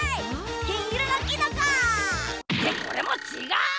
きんいろのキノコ！ってこれもちがう！